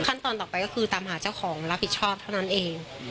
ขั้นตอนต่อไปก็คือตามหาเจ้าของรับผิดชอบเท่านั้นเอง